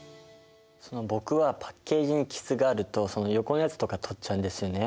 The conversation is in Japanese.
僕はパッケージに傷があるとその横のやつとか取っちゃうんですよね。